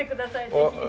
ぜひ。